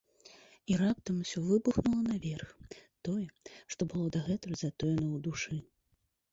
І раптам усё выбухнула наверх, тое, што было дагэтуль затоена ў душы.